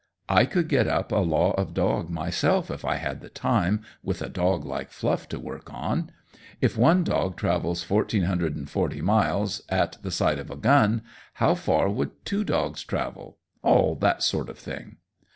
I could get up a Law of Dog myself if I had the time, with a dog like Fluff to work on. 'If one dog travels fourteen hundred and forty miles at the sight of a gun, how far would two dogs travel?' All that sort of thing.